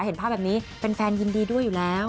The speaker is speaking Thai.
เห็นภาพแบบนี้แฟนยินดีด้วยอยู่แล้ว